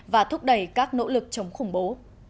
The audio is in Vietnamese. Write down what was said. và thúc đẩy các nỗ lực chống khủng bố